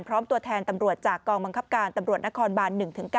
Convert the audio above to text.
ตัวแทนตำรวจจากกองบังคับการตำรวจนครบาน๑๙